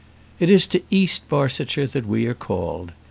It is to East Barsetshire that we are called.